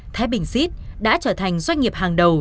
thái bình xít đã trở thành doanh nghiệp hàng đầu